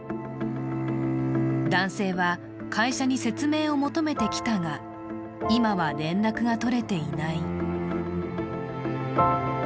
男性は会社に説明を求めてきたが今は連絡が取れていない。